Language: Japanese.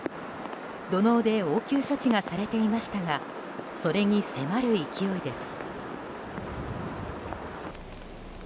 土のうで応急処置がされていましたがそれに迫る勢いです。